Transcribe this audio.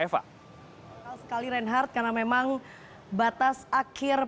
apa yang terjadi di renggara